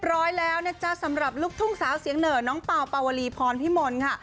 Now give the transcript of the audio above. ร้อยแล้วนะจ๊ะสำหรับลูกทุ่งสาวเสียงเหน่อน้องเปล่าปาวลีพรพิมลค่ะ